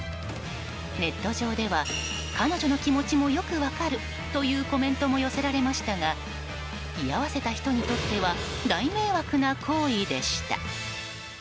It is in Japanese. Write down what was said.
ネット上では彼女の気持ちもよく分かるというコメントも寄せられましたが居合わせた人にとっては大迷惑な行為でした。